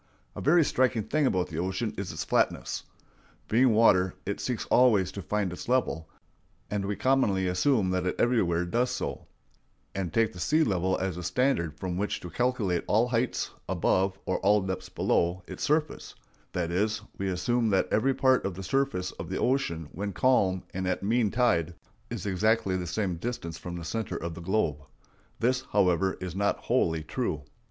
A very striking thing about the ocean is its flatness. Being water, it seeks always to find its level; and we commonly assume that it everywhere does so, and take the sea level as the standard from which to calculate all heights above or depths below its surface; that is, we assume that every part of the surface of the ocean when calm and at mean tide is exactly the same distance from the center of the globe. This, however, is not wholly true.